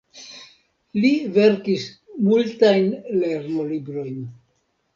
Li verkis multajn lernolibrojn.